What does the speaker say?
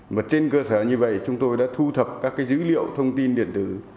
mà trên cơ sở như vậy chúng tôi đã thu thập các dữ liệu thông tin điện tử